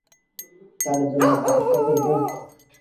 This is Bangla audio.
তার জন্য অপেক্ষা করব?